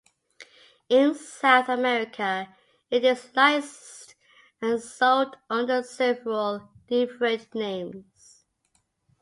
In South America it is licensed and sold under several different names.